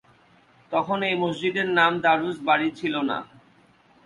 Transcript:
তখন এই মসজিদ এর নাম দারুস বাড়ী ছিল না।